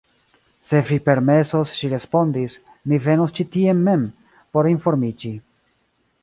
Se vi permesos, ŝi respondis, mi venos ĉi tien mem, por informiĝi.